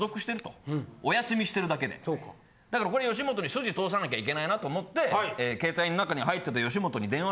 だからこれ吉本に筋通さなきゃいけないなっと思って携帯の中に入ってた。